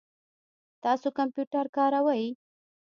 تاسو کمپیوټر کاروئ؟